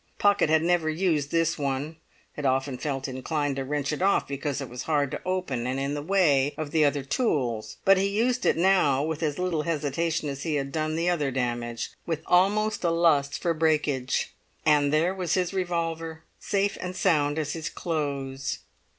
Pocket had never used this one, had often felt inclined to wrench it off because it was hard to open and in the way of the other tools. But he used it now with as little hesitation as he had done the other damage, with almost a lust for breakage; and there was his revolver, safe and sound as his clothes.